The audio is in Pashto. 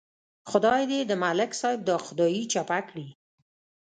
خدای دې د ملک صاحب دا خدایي چپه کړي.